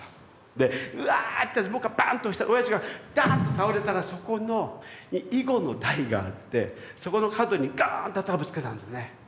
で「うわぁ！」って僕はバンッと押したらおやじがダーンと倒れたらそこの囲碁の台があってそこの角にガーンって頭ぶつけたんですね。